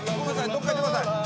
どっか行ってください。